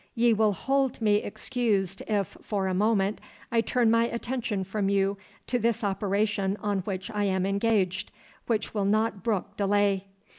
Ye will hold me excused if for a moment I turn my attention from you to this operation on which I am engaged, which will not brook delay.